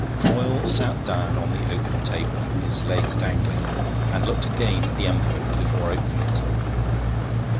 Froyle sat down on the oaken table, his legs dangling, and looked again at the envelope before opening it.